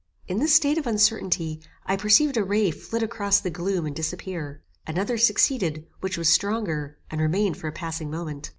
In this state of uncertainty, I perceived a ray flit across the gloom and disappear. Another succeeded, which was stronger, and remained for a passing moment.